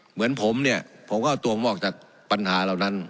เหมือนผมเนี่ยผมก็เอาตัวออกจากปัญหาเหล่านั้น